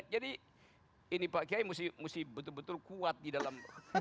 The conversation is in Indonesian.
jadi ini pak kiai mesti betul betul kuat di dalam